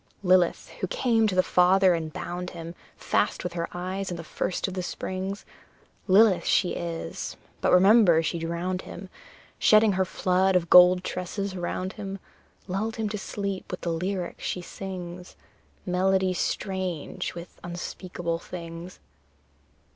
Lilith, who came to the father and bound him Fast with her eyes in the first of the springs; Lilith she is, but remember she drowned him, Shedding her flood of gold tresses around him Lulled him to sleep with the lyric she sings: Melody strange with unspeakable things!